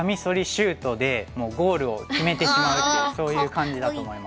シュートでもうゴールを決めてしまうっていうそういう感じだと思います。